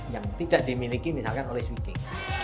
yang tidak dimiliki misalkan oleh sweeping